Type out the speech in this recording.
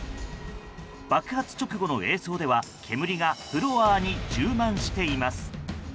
爆発直後の映像では煙がフロアに充満しています。